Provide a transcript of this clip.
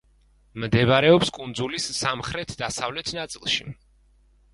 მდებარეობს კუნძულის სამხრეთ-დასავლეთ ნაწილში.